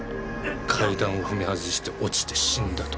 階段を踏み外して落ちて死んだと。